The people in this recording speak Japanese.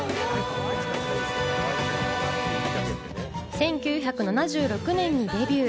１９７６年にデビュー。